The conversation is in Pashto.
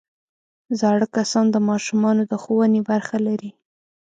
زاړه کسان د ماشومانو د ښوونې برخه لري